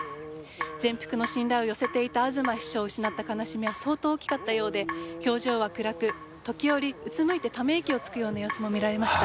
全幅の信頼を寄せていた東秘書を失った悲しみは相当大きかったようで表情は暗く時折うつむいてため息をつくような様子も見られました。